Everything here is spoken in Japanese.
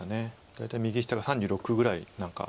大体右下が３６ぐらい何か。